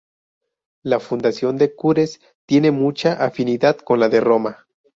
La fundación de Cures tiene mucha afinidad con la de Roma.